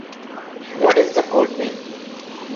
What is the codename?